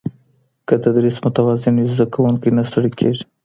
که تدریس متوازن وي، زده کوونکی نه ستړی کېږي.